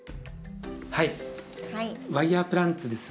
はいワイヤープランツです。